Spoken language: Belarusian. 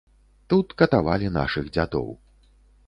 Тут катавалі нашых дзядоў.